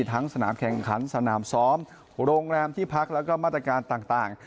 ทั้งสนามแข่งขันสนามซ้อมโรงแรมที่พักแล้วก็มาตรการต่าง